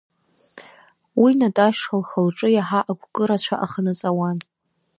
Уи Наташа лхы-лҿы иаҳа агәкыра-цәа аханаҵауан.